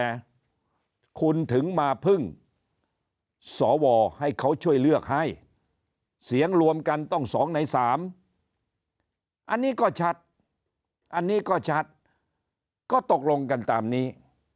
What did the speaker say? แต่คุณถึงมาพึ่งสวให้เขาช่วยเลือกให้เสียงรวมกันต้อง๒ใน๓อันนี้ก็ชัดอันนี้ก็ชัดก็ตกลงกันตามนี้